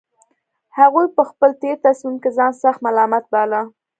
هغوی په خپل تېر تصميم کې ځان سخت ملامت باله